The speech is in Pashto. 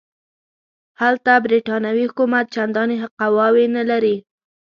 هلته برټانوي حکومت چنداني قواوې نه لري.